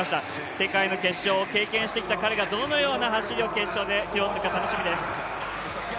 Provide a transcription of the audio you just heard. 世界の決勝を経験してきた彼がどのような走りを決勝で出すのか楽しみです。